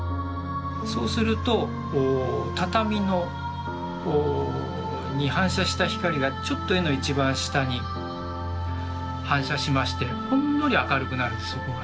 そうすると畳に反射した光がちょっと絵の一番下に反射しましてほんのり明るくなるんですそこが。